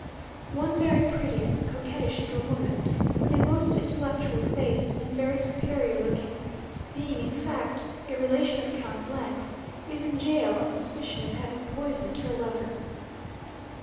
One very pretty and coquettish little woman, with a most intellectual face, and very superior looking, being in fact a relation of Count 's, is in jail on suspicion of having poisoned her lover.